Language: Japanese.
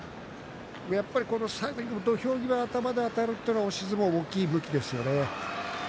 やっぱり、最後、土俵際頭であたるというのは押し相撲、大きい武器ですよね。